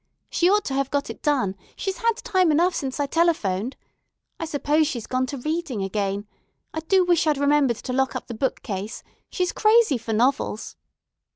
She ought to have got it done; she's had time enough since I telephoned. I suppose she's gone to reading again. I do wish I'd remembered to lock up the bookcase. She's crazy for novels."